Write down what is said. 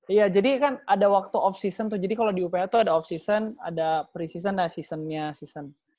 iya jadi kan ada waktu off season tuh jadi kalau di uph itu ada of season ada pre season dan seasonnya season